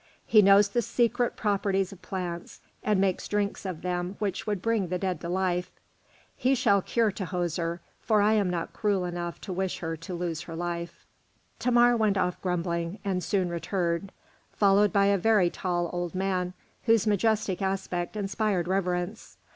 He knows the secret properties of plants, and makes drinks of them which would bring the dead to life. He shall cure Tahoser, for I am not cruel enough to wish her to lose her life." Thamar went off grumbling, and soon returned, followed by a very tall old man, whose majestic aspect inspired reverence.